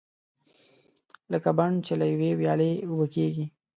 لکه بڼ چې له یوې ویالې اوبه کېږي.